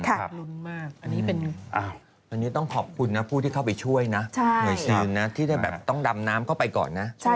อันนี้ต้องขอบคุณนะผู้ที่เข้าไปช่วยนะเหนื่อยชีวิตนะที่ได้แบบต้องดำน้ำเข้าไปก่อนนะ